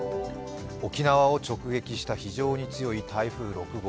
沖縄を直撃した非常に強い台風６号。